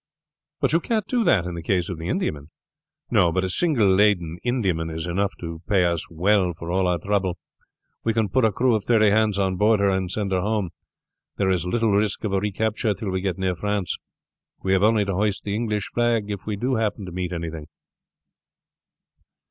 "But you can't do that in the case of the Indiamen." "No; but a single laden Indiaman is enough to pay us well for all our trouble. We can put a crew of thirty hands on board her and send her home. There is little risk of a recapture till we get near France. We have only to hoist the English flag if we do happen to meet anything."